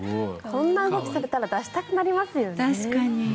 こんなことされたら出したくなりますよね。